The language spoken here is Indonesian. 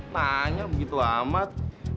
tanya begitu amat